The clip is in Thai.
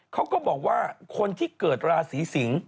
เขาก็บอกว่าคนที่เกิดราศีสิงศ์